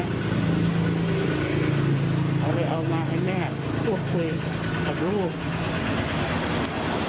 เขาเลยเอามาให้แม่สรุปคุยกับลูก